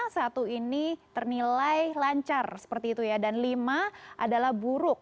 satu ini ternilai lancar seperti itu ya dan lima adalah buruk